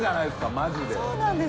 マジで。